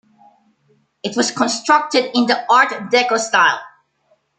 It was constructed in the Art Deco style.